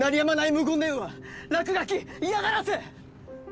無言電話落書き嫌がらせ！